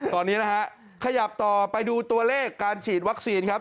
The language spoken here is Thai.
ตอนนี้นะฮะขยับต่อไปดูตัวเลขการฉีดวัคซีนครับ